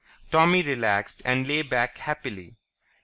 Tommy relaxed and lay back happily.